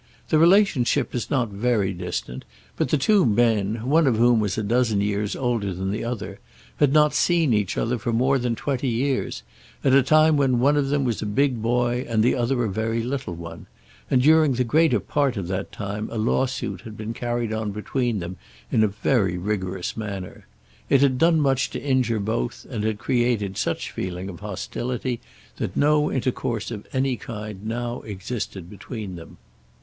The relationship is not very distant, but the two men, one of whom was a dozen years older than the other, had not seen each other for more than twenty years, at a time when one of them was a big boy, and the other a very little one; and during the greater part of that time a lawsuit had been carried on between them in a very rigorous manner. It had done much to injure both, and had created such a feeling of hostility that no intercourse of any kind now existed between them.